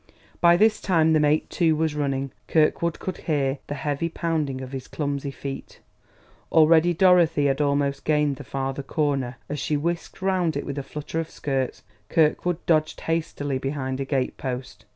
By this time the mate, too, was running; Kirkwood could hear the heavy pounding of his clumsy feet. Already Dorothy had almost gained the farther corner; as she whisked round it with a flutter of skirts, Kirkwood dodged hastily behind a gate post.